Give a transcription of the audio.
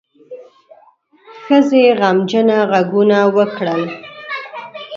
ښځې غمجنه غږونه وکړل.